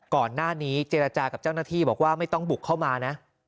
ก่อนหน้านี้เจรจากับเจ้าหน้าที่บอกว่าไม่ต้องบุกเข้ามานะ